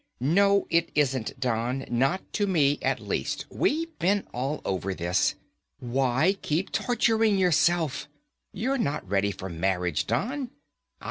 "No it isn't, Don. Not to me, at least. We've been all over this. Why keep torturing yourself? You're not ready for marriage, Don.